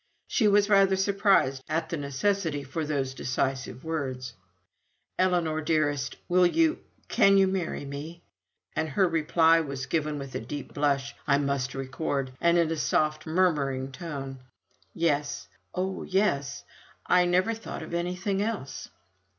She was rather surprised at the necessity for those decisive words, "Ellinor, dearest, will you can you marry me?" and her reply was given with a deep blush I must record, and in a soft murmuring tone "Yes oh, yes I never thought of anything else."